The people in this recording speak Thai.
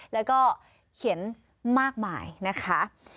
แล้วก็เขียนมากมายนะคะ